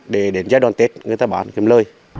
để đến giai đoạn tết người ta bán kiếm lời